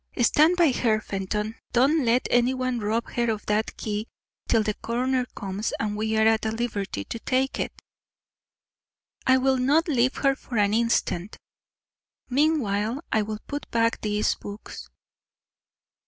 "Stand by her, Fenton. Don't let anyone rob her of that key till the coroner comes, and we are at liberty to take it." "I will not leave her for an instant." "Meanwhile, I will put back these books."